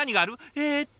えっと。